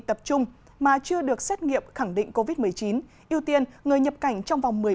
tập trung mà chưa được xét nghiệm khẳng định covid một mươi chín ưu tiên người nhập cảnh trong vòng